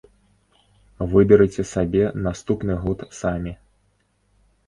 Выберыце сабе наступны год самі.